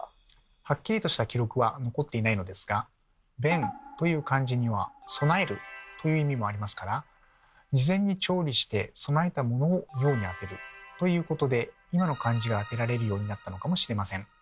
はっきりとした記録は残っていないのですが「弁」という漢字には「備える」という意味もありますから事前に調理して備えたものを用に当てるということで今の漢字が当てられるようになったのかもしれません。